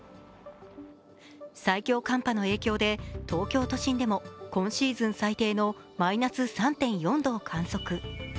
最強寒波の影響で東京都心でも今シーズン最低のマイナス３．４度を観測。